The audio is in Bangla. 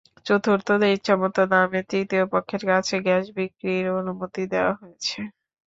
চতুর্থত, ইচ্ছামতো দামে তৃতীয় পক্ষের কাছে গ্যাস বিক্রির অনুমতি দেওয়া হয়েছে।